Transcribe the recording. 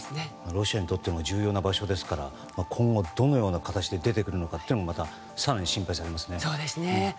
ロシアにとっても重要な場所ですから今後、どのような形で出てくるのかというのも更に心配されますね。